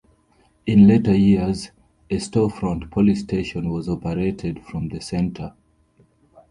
In later years, a storefront police station was operated from the center.